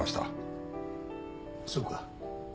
そうか。